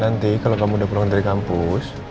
nanti kalau kamu udah pulang dari kampus